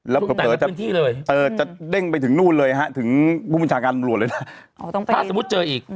แล้วเผลอจะเด้งไปถึงนู่นเลยฮะถึงผู้บัญชาการตำรวจเลยนะถ้าสมมุติเจออีก